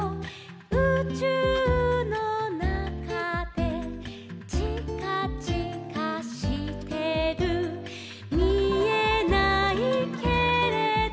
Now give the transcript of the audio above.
「うちゅうのなかで」「ちかちかしてる」「みえないけれど」